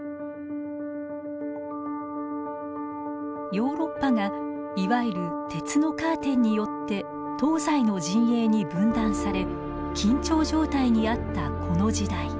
ヨーロッパがいわゆる鉄のカーテンによって東西の陣営に分断され緊張状態にあったこの時代。